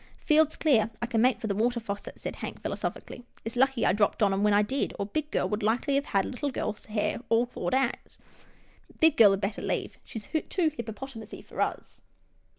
" Field's clear, I can make for the water faucet," said Hank philosophically. " It's lucky I dropped on 'em when I did, or Big Girl would likely have had Little Girl's hair all clawed out — Big Girl had better leave — she's too hippopotamussy for us."